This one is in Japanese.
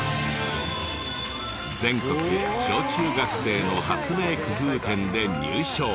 全国小中学生の発明工夫展で入賞。